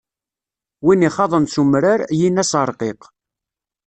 Win ixaḍen s umrar, yini-as ṛqiq.